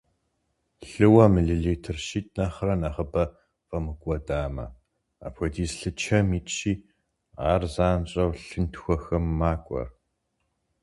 Лъыуэ миллилитр щитӏ нэхърэ нэхъыбэ фӏэмыкӏуэдамэ, апхуэдиз лъы чэм итщи, ар занщӏэу лъынтхуэхэм макӏуэр.